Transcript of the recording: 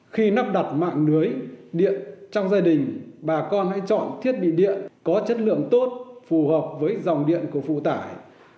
khi lắp đặt mạng lưới điện trong gia đình bà con hãy chọn thiết bị điện có chất lượng tốt phù hợp với dòng điện của phụ tải